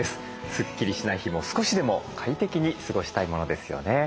スッキリしない日も少しでも快適に過ごしたいものですよね。